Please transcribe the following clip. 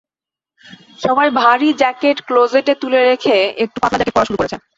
সবাই ভারী জ্যাকেট ক্লোজেটে তুলে রেখে একটু পাতলা জ্যাকেট পরা শুরু করেছে।